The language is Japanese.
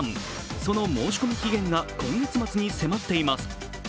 その申し込み期限が今月末に迫っています。